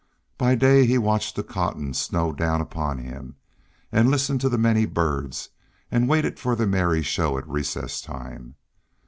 By day he watched the cotton snow down upon him, and listened to the many birds, and waited for the merry show at recess time.